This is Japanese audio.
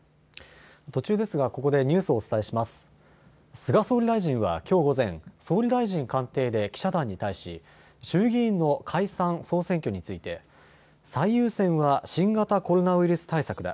菅総理大臣はきょう午前、総理大臣官邸で記者団に対し衆議院の解散総選挙について最優先は新型コロナウイルス対策だ。